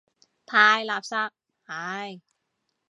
太垃圾，唉。